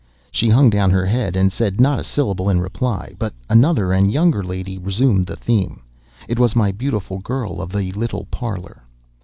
She hung down her head, and said not a syllable in reply. But another and younger lady resumed the theme. It was my beautiful girl of the little parlor.